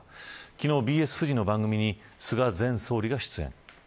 昨日、ＢＳフジの番組に菅前総理が出演。